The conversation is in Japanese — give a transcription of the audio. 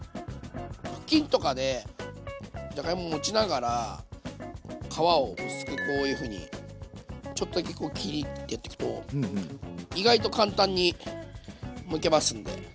布巾とかでじゃがいも持ちながら皮を薄くこういうふうにちょっとだけこう切りってやってくと意外と簡単にむけますんで。